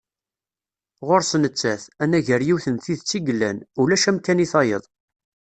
Ɣur-s nettat, anagar yiwet n tidet i yellan, ulac amkan i tayeḍ.